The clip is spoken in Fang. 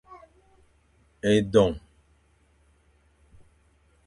Edong.